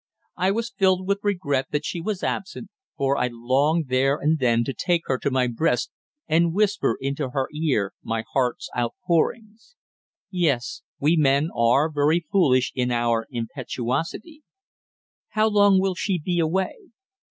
I was filled with regret that she was absent, for I longed there and then to take her to my breast and whisper into her ear my heart's outpourings. Yes; we men are very foolish in our impetuosity. "How long will she be away?"